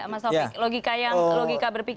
mas sofi logika berpikirnya seperti itu